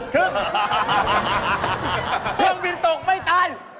เครื่องบินตกไม่ทัน